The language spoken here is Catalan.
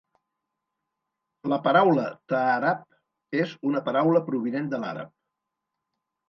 La paraula Taarab és una paraula provinent de l'àrab.